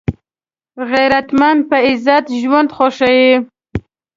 غیرتمند په عزت ژوند خوښوي